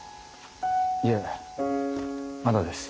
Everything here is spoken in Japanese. いえまだです。